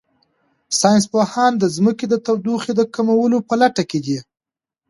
ساینس پوهان د ځمکې د تودوخې د کمولو په لټه کې دي.